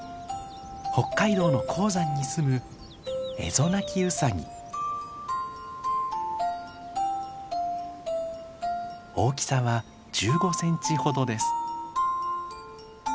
北海道の高山に住む大きさは１５センチほどです。